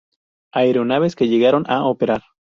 Aeronaves que llegaron a operar.